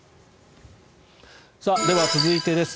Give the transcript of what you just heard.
では、続いてです。